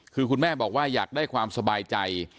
คือคุณแม่บอกว่าอยากได้ความสบายใจ